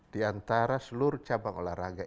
di antara seluruh cabang olahraga